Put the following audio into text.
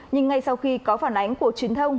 nhưng ngay sau khi có phản ánh của truyền thông